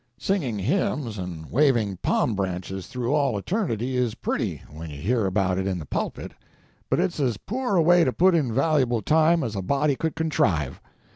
Singing hymns and waving palm branches through all eternity is pretty when you hear about it in the pulpit, but it's as poor a way to put in valuable time as a body could contrive.